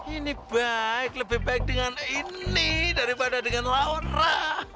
ini baik lebih baik dengan ini daripada dengan launra